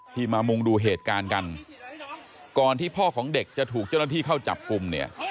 มามุงดูเหตุการณ์กันก่อนที่พ่อของเด็กจะถูกเจ้าหน้าที่เข้าจับกลุ่มเนี่ย